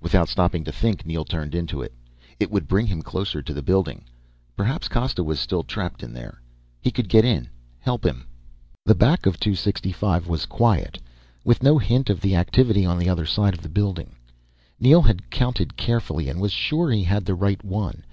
Without stopping to think, Neel turned into it. It would bring him closer to the building. Perhaps Costa was still trapped in there. He could get in, help him. The back of 265 was quiet, with no hint of the activity on the other side of the building. Neel had counted carefully and was sure he had the right one.